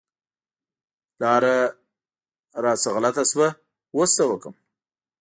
لاره رانه غلطه شوه، اوس څه وکړم؟